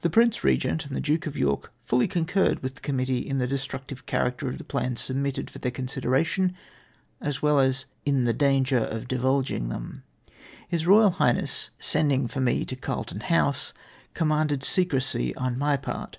The Prince Eegent and the Duke of York fully con curred with the Committee in the destructive character of the plans submitted, for their consideration as well as in the dano er of divuloina them. His Eoval Hi^'hness sending for me to Carlton House, commanded secresy on my part.